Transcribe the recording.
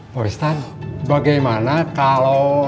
pak ustadz bagaimana kalau